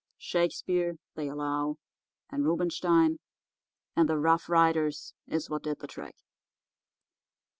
Shakespeare, they allow, and Rubinstein, and the Rough Riders is what did the trick.